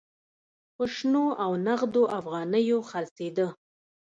په شنو او نغدو افغانیو خرڅېده.